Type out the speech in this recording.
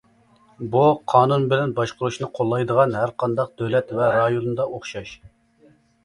بۇ قانۇن بىلەن باشقۇرۇشنى قوللايدىغان ھەر قانداق دۆلەت ۋە رايوندا ئوخشاش.